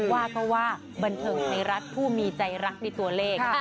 ว่าก็ว่าบันเทิงไทยรัฐผู้มีใจรักในตัวเลข